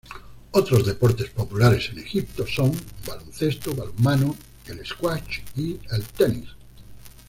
Otros deportes populares en Egipto son baloncesto, balonmano, el squash y el tenis.